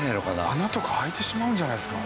穴とか開いてしまうんじゃないですか？